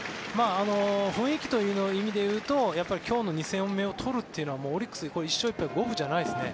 雰囲気という意味でいうと今日の２戦目を取るというのはもうオリックス１勝１敗、五分じゃないですね